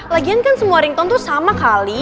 lagian kan semua rington tuh sama kali